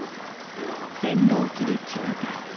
先導する騎馬隊。